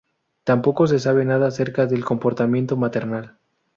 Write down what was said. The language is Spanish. Tampoco se sabe nada acerca del comportamiento maternal.